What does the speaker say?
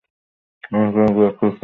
আমি এতদিনে দু-একটা বিষয় শিখেছি।